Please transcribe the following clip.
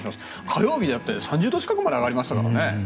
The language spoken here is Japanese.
火曜日は、だって３０度近くまで上がりましたからね。